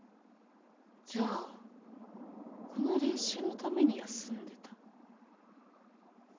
じゃあこの練習のために休んでた？